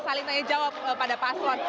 salih salih jawab pada pak aslon